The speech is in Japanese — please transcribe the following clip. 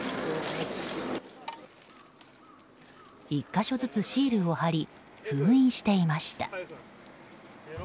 １か所ずつシールを貼り封印していました。